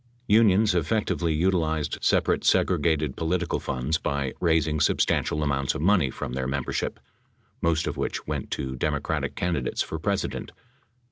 Unions effectively utilized separate segregated political funds by raising substantial amounts of money from their membership, most of which went to Democratic candidates for President.